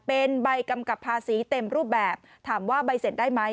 เป็นใบกำกับภาษีเต็มรูปแบบถามว่าใบเสร็จได้ไหม